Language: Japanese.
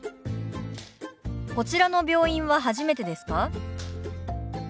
「こちらの病院は初めてですか？」。